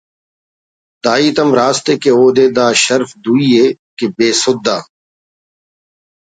دا ہیت ہم راست ءِ کہ اودے دا شرف دوئی ءِ کہ بے سدھ آ